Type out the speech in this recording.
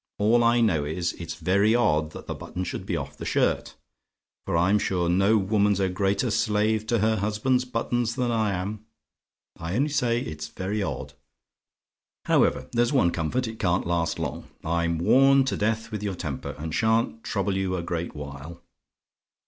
All I know is, it's very odd that the button should be off the shirt; for I'm sure no woman's a greater slave to her husband's buttons than I am. I only say, it's very odd. "However, there's one comfort; it can't last long. I'm worn to death with your temper, and sha'n't trouble you a great while.